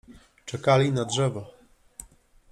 Czekali na drzewo.